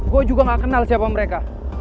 gue juga gak kenal siapa mereka